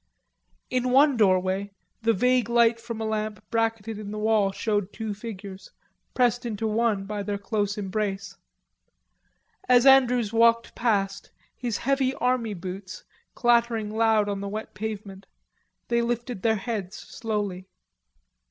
In one doorway the vague light from a lamp bracketed in the wall showed two figures, pressed into one by their close embrace. As Andrews walked past, his heavy army boots clattering loud on the wet pavement, they lifted their heads slowly.